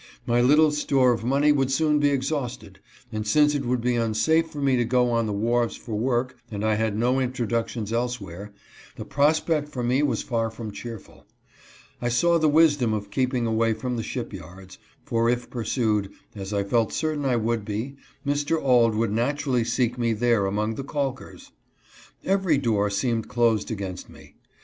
My little store of money would soon be exhausted, and since it would be unsafe for me to go on the wharves for work and I had no introductions elsewhere, the prospect for me was far from cheerful. I saw the wisdom of keeping away from the ship yards, for, if pursued, as I felt certain I would be, Mr. Auld would naturally seek me there among the calk ers. Every door seemed closed against me.